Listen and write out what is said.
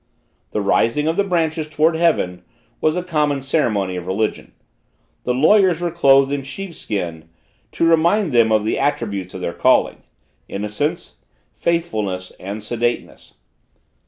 The rising of the branches towards Heaven, was a common ceremony of religion. The lawyers were clothed in sheep skin, to remind them of the attributes of their calling innocence, faithfulness, and sedateness.